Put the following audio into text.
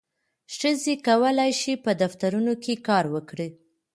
ښځې کولی شي په دفترونو کې کار وکړي.